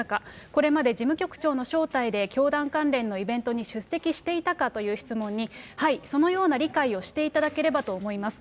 これまで事務局長の招待で教団関連のイベントに出席していたかという質問に、はい、そのような理解をしていただければと思います。